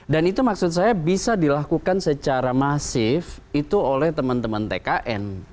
dan itu maksud saya bisa dilakukan secara masif itu oleh teman teman tkn